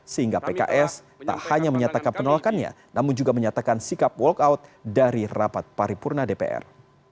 sehingga pks tak hanya menyatakan penolakannya namun juga menyatakan sikap walkout dari rapat paripurna dpr